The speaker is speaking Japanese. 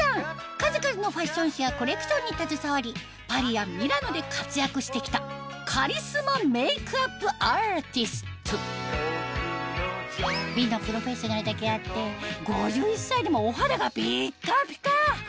数々のファッション誌やコレクションに携わりパリやミラノで活躍してきたカリスマメイクアップアーティスト美のプロフェッショナルだけあって５１歳でもお肌がピッカピカ！